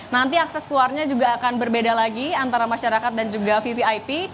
nanti akses keluarnya juga akan berbeda lagi antara masyarakat dan juga vvip